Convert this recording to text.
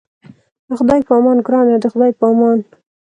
د خدای په امان ګرانه د خدای په امان.